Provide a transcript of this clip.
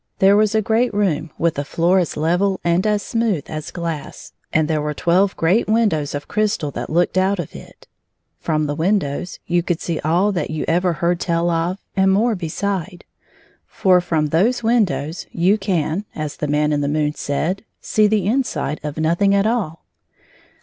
There was a great room with a floor as level and as smooth as glass, and there were twelve great windows of crystal that looked out of it. From the windows you could see all that you ever heard tell of and more beside, for from those windows you can, as the Man in the moon said, see the inside of nothing at all.